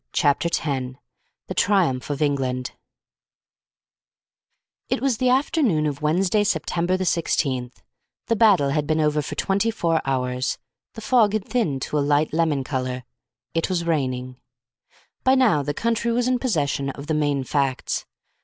Chapter 10 THE TRIUMPH OF ENGLAND It was the afternoon of Wednesday, September the Sixteenth. The battle had been over for twenty four hours. The fog had thinned to a light lemon colour. It was raining. By now the country was in possession of the main facts.